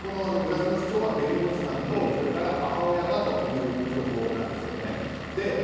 グラスの主張は弁護士さんと母親がという情報なんですよね。